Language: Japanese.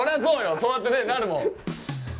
そうやってなるもん。